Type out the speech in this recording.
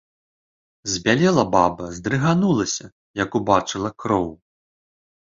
Збялела баба, здрыганулася, як убачыла кроў.